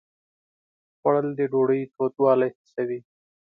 خوړل د ډوډۍ تودوالی حسوي